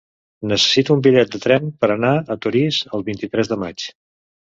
Necessito un bitllet de tren per anar a Torís el vint-i-tres de maig.